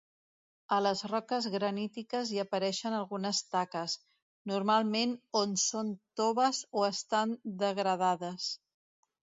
A les roques granítiques hi apareixen algunes taques, normalment on són toves o estan degradades.